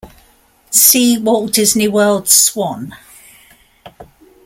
See Walt Disney World Swan.